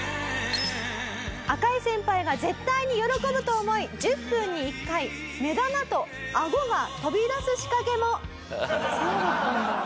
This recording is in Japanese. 赤井先輩が絶対に喜ぶと思い１０分に１回目玉とアゴが飛び出す仕掛けも！